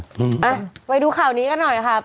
อืมอ่ะไปดูข่าวนี้กันหน่อยครับ